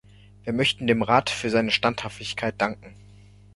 Wir möchten dem Rat für seine Standhaftigkeit danken.